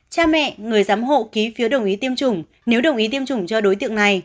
cha mẹ người giám hộ ký phiếu đồng ý tiêm chủng nếu đồng ý tiêm chủng cho đối tượng này